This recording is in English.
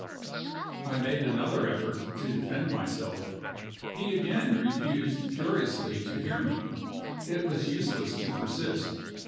I made another effort to defend myself. He again refused furiously to hear me. It was useless to persist.